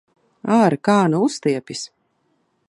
Āre, kā nu uztiepjas!